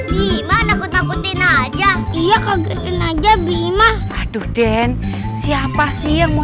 bima nakut nakutin aja iya kagetin aja bima aduh den siapa sih yang mau